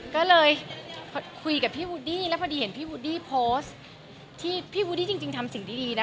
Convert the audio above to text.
ก็เลยคุยกับพี่แล้วพอดีเห็นพี่ที่พี่จริงจริงทำสิ่งดีดีน่ะ